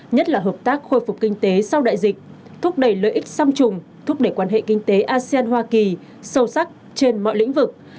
nhất là hợp tác khôi phục kinh tế sau đại dịch thúc đẩy lợi ích song trùng thúc đẩy quan hệ kinh tế asean hoa kỳ sâu sắc trên mọi lĩnh vực